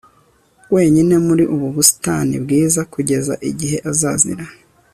Wenyine muri ubu busitani bwiza kugeza igihe azazira